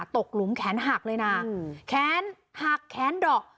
หลุมแขนหักเลยนะแขนหักแขนดอก